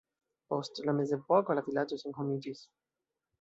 Post la mezepoko la vilaĝo senhomiĝis.